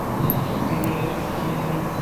বেরিয়ে এসো, প্লীজ?